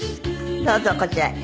どうぞこちらへ。